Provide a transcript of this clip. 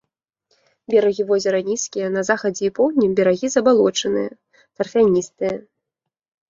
Берагі возера нізкія, на захадзе і поўдні берагі забалочаныя, тарфяністыя.